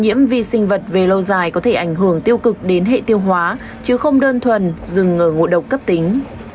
nhiễm vi sinh vật về lâu dài có thể ảnh hưởng tiêu cực đến hệ tiêu hóa chứ không đơn thuần dừng ở ngộ độc cấp tính